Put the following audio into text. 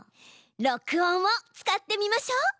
「録音」を使ってみましょう！